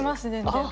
全然。